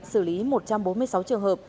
xử lý một trăm bốn mươi sáu trường hợp